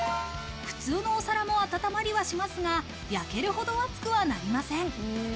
普通のお皿も温まりはしますが、焼けるほど熱くはなりません。